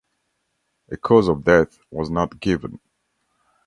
A cause of death was not given.